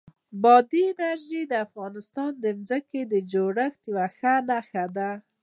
بادي انرژي د افغانستان د ځمکې د جوړښت یوه نښه ده.